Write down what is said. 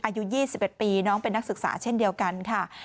อายุ๒๑ปีน้องเป็นนักศึกษาเช่นเดียวกันค่ะ